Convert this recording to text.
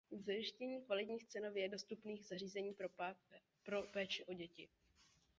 Zajištění kvalitních cenově dostupných zařízení pro péči o děti.